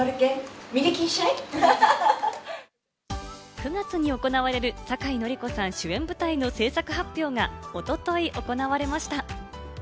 ９月に行われる酒井法子さん主演舞台の制作発表がおととい行われました。